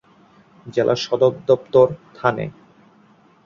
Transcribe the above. জেলার সদর দপ্তর থানে।